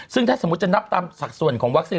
ซึ่งถ้าสมมุติจะนับตามสัดส่วนของวัคซีน